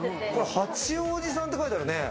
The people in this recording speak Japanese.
八王子産って書いてあるね。